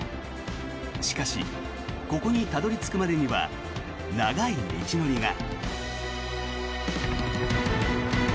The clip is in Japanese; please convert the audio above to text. しかしここにたどり着くまでには長い道のりが。